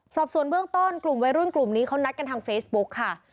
สอบส่วนเบื้องต้นกลุ่มวัยรุ่นกลุ่มนี้เขานัดกันทางเฟซบุ๊กค่ะ